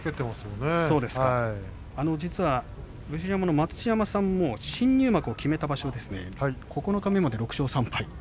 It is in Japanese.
待乳山さんも新入幕を決めた場所、九日目までで６勝３敗。